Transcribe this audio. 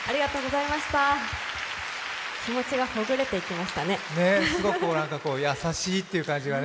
気持ちがほぐれていきましたね。